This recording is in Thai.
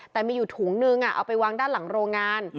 แต่มีอยู่ถุงนึงเอาไปวางด้านหลังโรงงาน